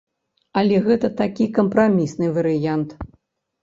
Але гэта такі кампрамісны варыянт.